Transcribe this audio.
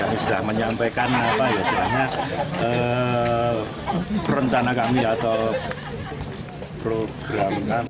dan kita sudah menyampaikan rencana kami atau program kami